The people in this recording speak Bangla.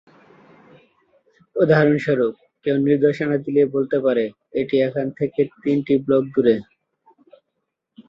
উদাহরণস্বরূপ, কেউ নির্দেশনা দিলে বলতে পারে, "এটি এখান থেকে তিনটি ব্লক দুরে"।